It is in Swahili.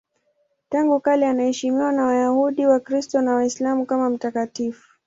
Tangu kale anaheshimiwa na Wayahudi, Wakristo na Waislamu kama mtakatifu.